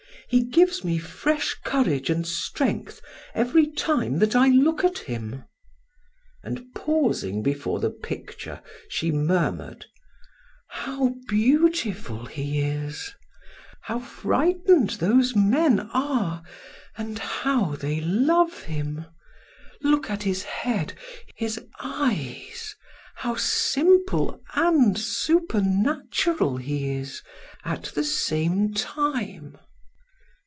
He gives me fresh courage and strength every time that I look at Him." And pausing before the picture, she murmured: "How beautiful He is! How frightened those men are, and how they love Him! Look at His head, His eyes, how simple and supernatural He is at the same time!"